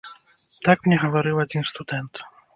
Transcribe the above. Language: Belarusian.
Так мне гаварыў адзін студэнт.